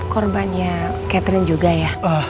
korbannya catherine juga ya